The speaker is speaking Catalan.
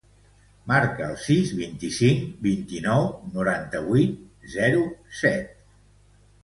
Marca el sis, vint-i-cinc, vint-i-nou, noranta-vuit, zero, set.